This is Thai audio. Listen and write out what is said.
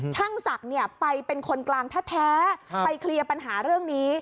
ช่างศักดิ์ไปเป็นคนกลางแท้ไปเคลียร์ปัญหาเรื่องนี้